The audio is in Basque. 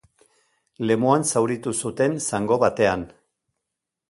Lemoan zauritu zuten zango batean.